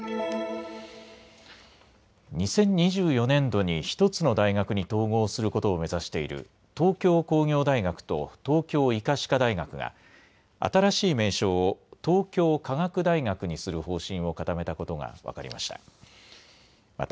２０２４年度に１つの大学に統合することを目指している東京工業大学と東京医科歯科大学が新しい名称を東京科学大学にする方針を固めたことが分かりました。